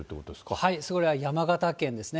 はい、それは山形県ですね。